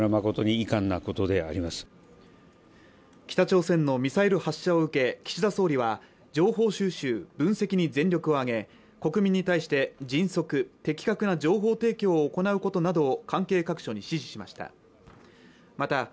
北朝鮮のミサイル発射を受け岸田総理は情報収集、分析に全力を挙げ国民に対して迅速的確な情報提供を行うことなどを関係各所に指示しました